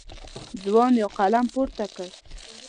ځوان یو قلم پورته کړ.